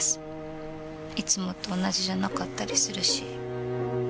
いつもと同じじゃなかったりするし。